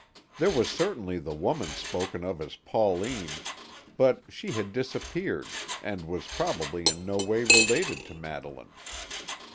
There was certainly the woman spoken of as Pauline, but she had disappeared, and was probably in no way related to Madeline.